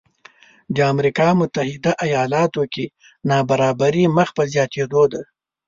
د امریکا متحده ایالاتو کې نابرابري مخ په زیاتېدو ده